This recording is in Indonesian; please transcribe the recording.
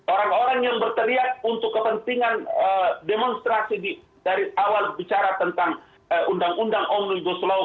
orang orang yang berteriak untuk kepentingan demonstrasi dari awal bicara tentang undang undang omnibus law